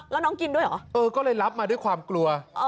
แล้วน้องกินด้วยเหรอเออก็เลยรับมาด้วยความกลัว